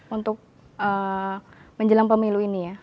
untuk menjelang pemilu ini ya